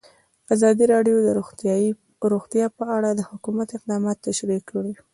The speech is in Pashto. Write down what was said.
ازادي راډیو د روغتیا په اړه د حکومت اقدامات تشریح کړي.